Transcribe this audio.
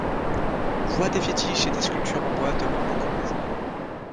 On voit des fétiches et des sculptures en bois devant beaucoup de maisons.